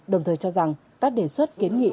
đồng thời cho rằng các đề xuất kiến nghị